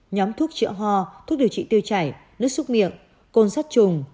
nhóm thuốc chữa ho thuốc điều trị tiêu chảy nước xúc miệng côn sắt trùng